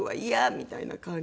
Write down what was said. みたいな感じで。